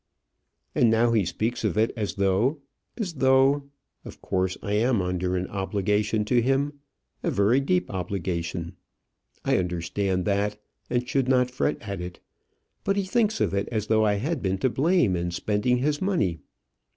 "And now he speaks of it as though as though; of course I am under an obligation to him a very deep obligation. I understand that, and should not fret at it. But he thinks of it as though I had been to blame in spending his money.